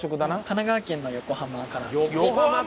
神奈川県の横浜から来ました。